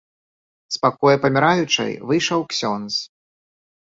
З пакоя паміраючай выйшаў ксёндз.